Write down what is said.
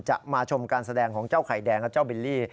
มาชมการแสดงของเจ้าไข่แดงและเจ้าบิลลี่